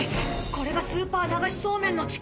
これがスーパー流しそうめんの力。